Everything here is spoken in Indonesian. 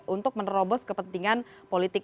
untuk menerobos kepentingan politik